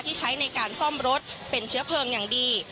ใช้ในการซ่อมรถเป็นเชื้อเพลิงอย่างดี